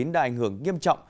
đã ảnh hưởng nghiêm trọng